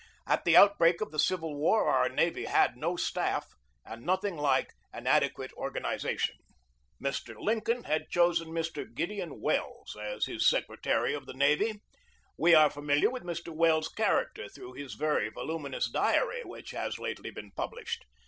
At the outbreak of the Civil War our navy had no staff, and nothing like an adequate organization. Mr. Lincoln had chosen Mr. Gideon Welles as his secretary of the navy. We are familiar with Mr. Welles's character through his very voluminous diary, which has lately been published.